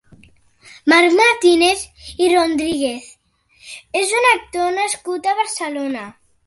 Marc Martínez i Rodríguez és un actor nascut a Barcelona.